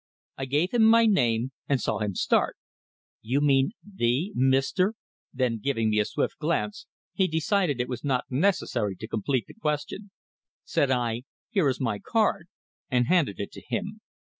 I gave him my name, and saw him start. "You mean the Mr. " Then, giving me a swift glance, he decided it was not necessary to complete the question. Said I: "Here is my card," and handed it to him.